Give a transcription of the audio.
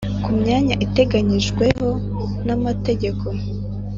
ku myanya iteganyijweho n amategeko